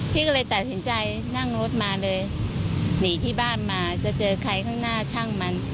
พี่ก็เลยตัดสินใจนั่งรถมาเลยหนีที่บ้านมาจะเจอใครข้างหน้าช่างมัน